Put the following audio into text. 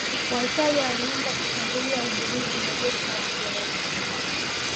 Waitalia walianza kushambulia Ugiriki na jeshi la Waingereza